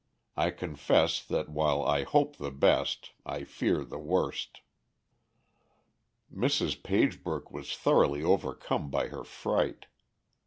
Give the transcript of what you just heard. I confess that while I hope the best I fear the worst." Mrs. Pagebrook was thoroughly overcome by her fright.